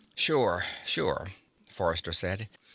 "Sure, sure," Forrester said.